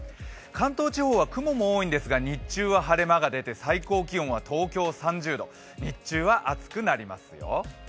関東地方は雲も多いんですが、日中は、晴れ間が出て最高気温は東京３０度、日中は暑くなりますよ。